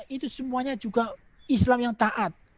itu semuanya juga islam yang taat